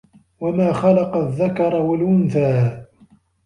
وَما خَلَقَ الذَّكَرَ وَالأُنثى